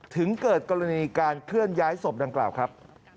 ถึงเกิดกรณีการเคลื่อนย้ายศพดังกล่าวครับ